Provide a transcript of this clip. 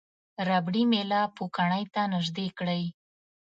ربړي میله پوکڼۍ ته نژدې کړئ.